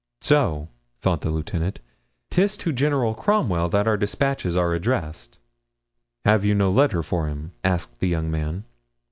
"So!" thought the lieutenant, "'tis to General Cromwell that our dispatches are addressed." "Have you no letter for him?" asked the young man.